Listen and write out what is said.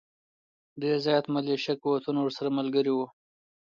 ډېر زیات ملېشه قوتونه ورسره ملګري وو.